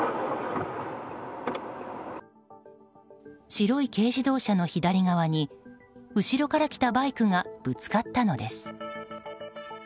白い軽自動車の左側に後ろから来たバイクがぶつかったのです。